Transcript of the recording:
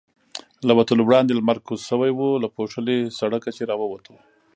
له وتلو وړاندې لمر کوز شوی و، له پوښلي سړکه چې را ووتو.